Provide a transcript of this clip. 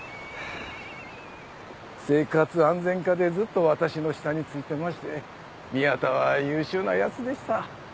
生活安全課でずっと私の下についてまして宮田は優秀な奴でした。